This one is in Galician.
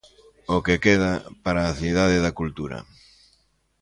O que queda, para a Cidade da Cultura.